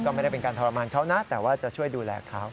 ก็ไม่ได้เป็นการทรมานเขานะแต่ว่าจะช่วยดูแลเขา